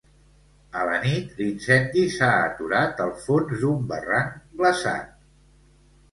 A la nit l'incendi s'ha aturat al fons d'un barranc glaçat.